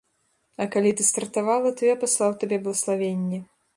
І калі ты стартавала, то я паслаў табе блаславенне.